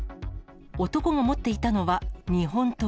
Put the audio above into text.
男が持っていたのは日本刀。